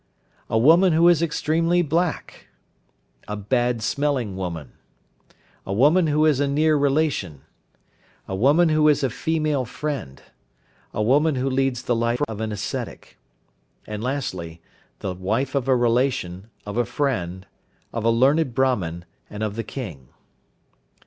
A woman who is extremely black. A bad smelling woman. A woman who is a near relation. A woman who is a female friend. A woman who leads the life of an ascetic. And, lastly, the wife of a relation, of a friend, of a learned Brahman, and of the king.